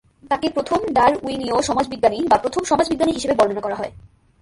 তাকে "প্রথম ডারউইনীয় সমাজবিজ্ঞানী" বা "প্রথম সমাজবিজ্ঞানী" হিসেবে বর্ণনা করা হয়।